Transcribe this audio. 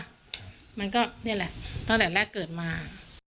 มันก็นี่แหละตั้งแต่แรกเกิดมา